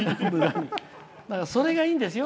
それがいいんですよ。